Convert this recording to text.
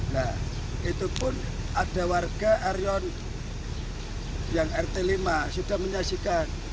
nah itu pun ada warga arion yang rt lima sudah menyaksikan